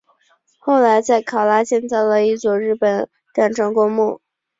后来在考拉建造了一座日本战争公墓。